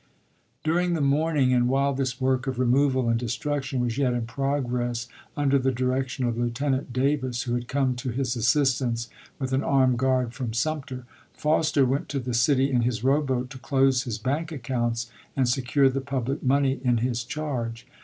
During the morning, and while this work of re moval and destruction was yet in progress under the direction of Lieutenant Davis, who had come to his assistance with an armed guard from Sumter, Foster went to the city in his row boat to close his bank accounts and secure the public money in his charge.